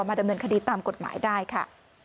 ดำเนินคดีตามกฎหมายได้ค่ะ